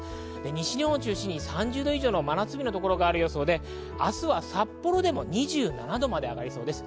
西日本を中心に３０度以上の真夏日のところがありそうで、明日は札幌でも２７度まで上がりそうです。